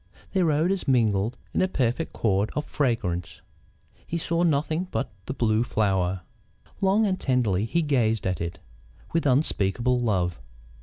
Their odours mingled in a perfect chord of fragrance. He saw nothing but the Blue Flower. Long and tenderly he gazed at it, with unspeakable love.